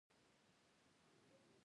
دوی د راتلونکو تحولاتو لاره په ځیر څارله